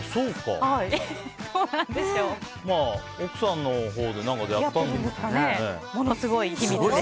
まあ、奥さんのほうでものすごい秘密です。